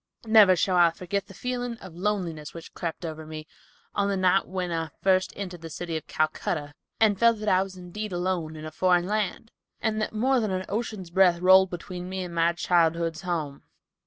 Never shall I forget the feeling of loneliness which crept over me, on the night when I first entered the city of Calcutta, and felt that I was indeed alone in a foreign land, and that more than an ocean's breadth rolled between me and my childhood's home.